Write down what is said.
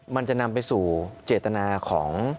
มันจะนำไปสู่เจตนาของ